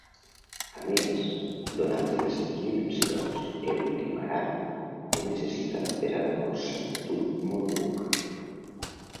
A més, donades les seves dimensions, el trimarà no necessita la pesada orsa d'un monobuc.